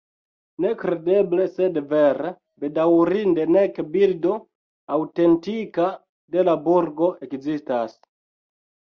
Nekredeble sed vere: bedaŭrinde nek bildo aŭtentika de la burgo ekzistas.